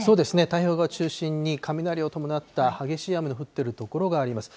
太平洋側を中心に、雷を伴った激しい雨の降っている所があります。